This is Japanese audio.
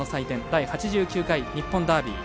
第８９回日本ダービー。